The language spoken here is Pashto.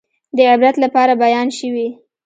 د عبرت لپاره بیان شوي.